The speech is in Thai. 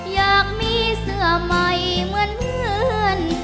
อยากมีเสื้อใหม่เหมือนเพื่อน